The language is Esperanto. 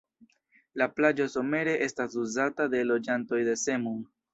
La plaĝo somere estas uzata de loĝantoj de Zemun.